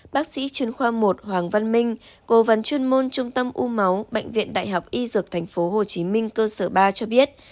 bác sĩ chuyên khoa một hoàng văn minh cố vấn chuyên môn trung tâm u máu bệnh viện đại học y dược tp hcm cơ sở ba cho biết